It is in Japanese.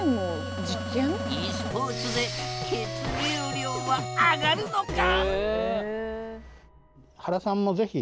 ｅスポーツで血流量は上がるのか？